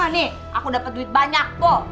nih aku dapat uang banyak kok